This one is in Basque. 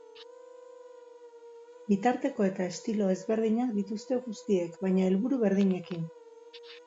Bitarteko eta estilo ezberdinak dituzte guztiek, baina helburu berdinekin.